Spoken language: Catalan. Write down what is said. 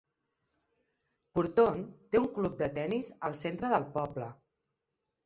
Purton té un club de tennis al centre del poble.